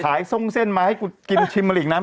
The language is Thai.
ขายซ่อมเส้นมาให้กูกินชิมมันอีกนะ